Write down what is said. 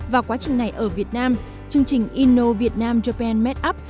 vào quá trình này ở việt nam chương trình innovietnam japan medapp